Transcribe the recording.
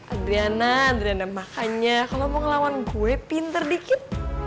adriana adriana makanya kalau mau ngelawan gue pinter dikit